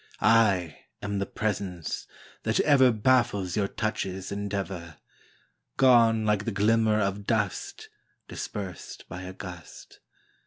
I am the presence that ever Baffles your touch's endeavor, Gone like the glimmer of dust Dispersed by a gust.